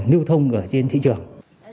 nưu thông trên thị trường